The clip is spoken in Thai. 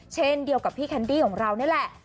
เช่นเดียวกับพี่แคนดี้ของเรานี่แหละ